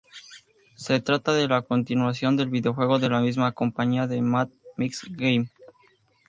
Se trata de la continuación del videojuego de la misma compañía Mad Mix Game.